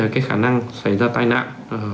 cái khả năng xảy ra tai nạn